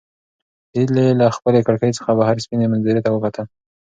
هیلې له خپلې کړکۍ څخه بهر سپینې منظرې ته وکتل.